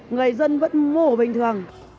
người dân vẫn mua ở bình thường